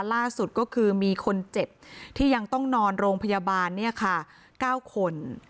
ล่าสุดก็คือมีคนเจ็บที่ยังต้องนอนโรงพยาบาล๙คน